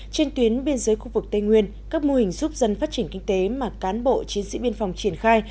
trên tuyến biên giới khu vực tây nguyên các mô hình giúp dân phát triển kinh tế mà cán bộ chiến sĩ biên phòng triển khai